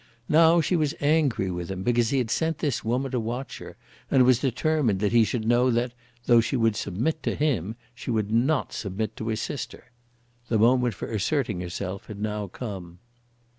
Now she was angry with him because he had sent this woman to watch her, and was determined that he should know that, though she would submit to him, she would not submit to his sister. The moment for asserting herself had now come.